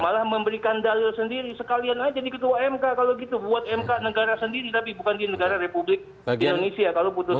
malah memberikan dalil sendiri sekalian aja di ketua mk kalau gitu buat mk negara sendiri tapi bukan di negara republik indonesia kalau putusan